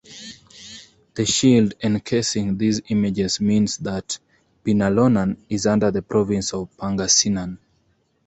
The shield encasing these images means that Binalonan is under the province of Pangasinan.